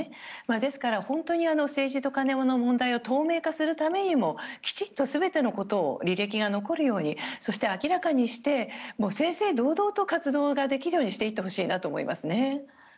ですから、本当に政治と金の問題を透明化するためにもきちっと全てのことを履歴が残るようにそして、明らかにして正々堂々と活動ができるようにしていってほしいなと思いますね。